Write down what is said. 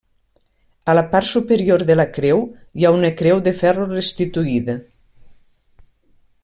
A la part superior de la creu hi ha una creu de ferro restituïda.